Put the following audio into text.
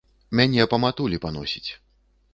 Мяне па матулі паносіць.